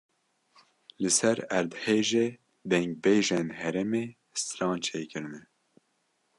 Li ser erdhejê dengbêjên herêmê stran çêkirine.